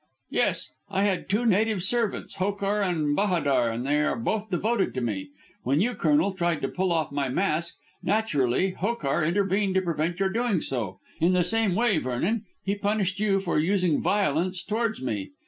"Yes. I had two native servants. Hokar and Bahadur, and they are both devoted to me. When you, Colonel, tried to pull off my mask naturally Hokar intervened to prevent your doing so. In the same way, Vernon, he punished you for using violence towards me.